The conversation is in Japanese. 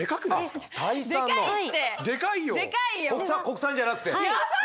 国産国産じゃなくて？